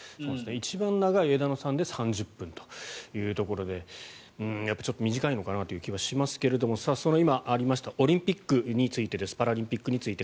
一番長い枝野さんで３０分というところでやっぱりちょっと短いのかなという気はしますが今ありましたオリンピック・パラリンピックについて。